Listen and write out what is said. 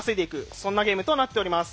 そんなゲームとなっております。